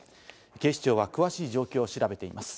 警視庁は詳しい状況を調べています。